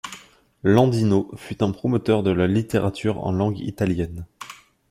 Landino fut un promoteur de la littérature en langue italienne.